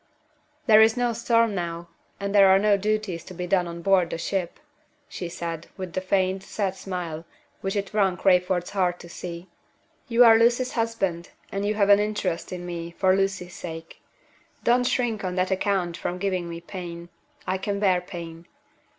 "There is no storm now, and there are no duties to be done on board the ship," she said, with the faint, sad smile which it wrung Crayford's heart to see. "You are Lucy's husband, and you have an interest in me for Lucy's sake. Don't shrink on that account from giving me pain: I can bear pain.